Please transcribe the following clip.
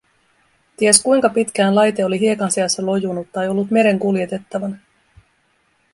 Ties kuinka pitkään laite oli hiekan seassa lojunut tai ollut meren kuljetettavana.